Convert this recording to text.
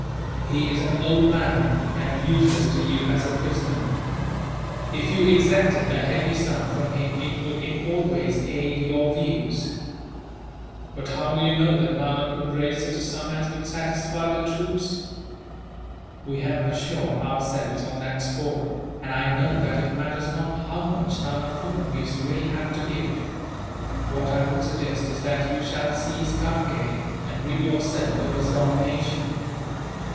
He is an old man, and useless to you as a prisoner. If you exacted a heavy sum from him it would, in all ways, aid your views." "But how do you know that Nana could raise such a sum as would satisfy the troops?" "We have assured ourselves on that score, and I know that it matters not how much Nana Furnuwees will have to give. What I would suggest is that you shall seize Ghatgay, and rid yourself of his domination.